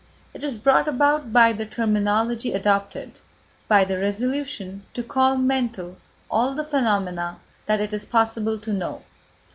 It is brought about by the terminology adopted, by the resolution to call mental all the phenomena that it is possible to know.